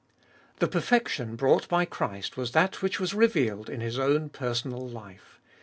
The perfection brought by Christ was that which was revealed in His own personal life.